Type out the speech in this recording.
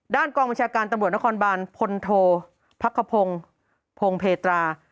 กองบัญชาการตำรวจนครบานพลโทพักขพงศ์พงเพตรา